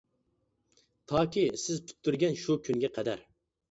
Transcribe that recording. تاكى سىز پۈتتۈرگەن شۇ كۈنگە قەدەر.